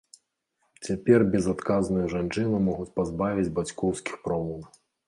Цяпер безадказную жанчыну могуць пазбавіць бацькоўскіх правоў.